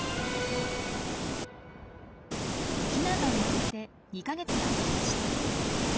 ヒナが生まれて２か月が過ぎました。